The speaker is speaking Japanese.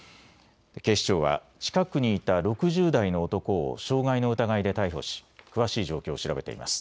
警視庁は近くにいた６０代の男を傷害の疑いで逮捕し詳しい状況を調べています。